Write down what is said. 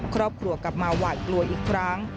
ครอบครัวกลับมาหวาดกลัวอีกครั้ง